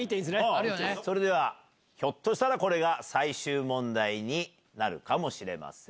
それではひょっとしたらこれが最終問題になるかもしれません。